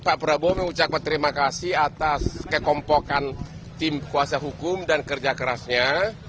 pak prabowo mengucapkan terima kasih atas kekompokan tim kuasa hukum dan kerja kerasnya